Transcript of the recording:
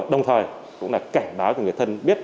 đồng thời cũng là cảnh báo cho người thân biết